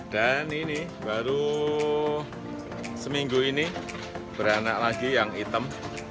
dan ini baru seminggu ini beranak lagi yang hitam